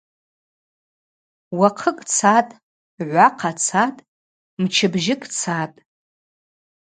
Уахъыкӏ цатӏ, гӏвахъа цатӏ, мчыбжьыкӏ цатӏ.